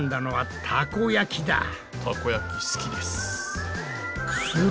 たこ焼き好きです。